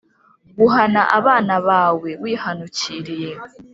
guhana abana bawe wihanukiriye,